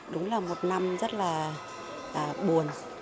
đúng là một năm rất là buồn